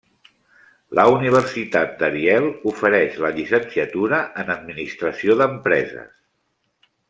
La Universitat d'Ariel ofereix la Llicenciatura en Administració d'Empreses.